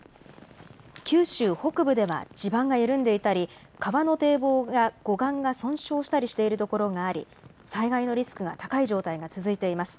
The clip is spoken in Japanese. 九州北部では地盤が緩んでいたり川の堤防や護岸が損傷したりしているところがあり災害のリスクが高い状態が続いています。